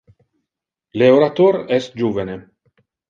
Le orator es juvene.